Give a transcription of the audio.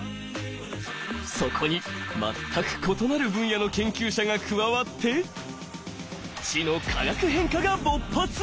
そこに全く異なる分野の研究者が加わって知の化学変化が勃発！